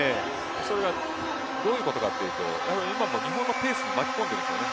これは、どういうことかというと今の日本のペースに巻き込んでいますね。